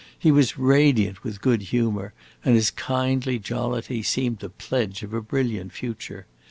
He was radiant with good humor, and his kindly jollity seemed the pledge of a brilliant future.